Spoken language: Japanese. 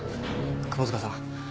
窪塚さん。